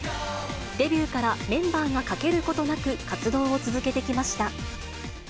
デビューからメンバーが欠けることなく活動を続けてきました。